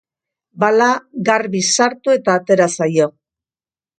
Bala garbi sartu eta atera zaio.